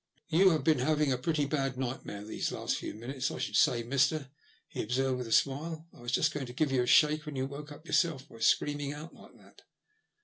''You have been having a pretty bad nightmare these last few minutes, I should say, mister," he observed, with a smile. " I was just going to give you a shake up when you woke yourself by screaming out like that."